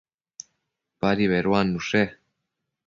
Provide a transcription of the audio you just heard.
Padi beduannushe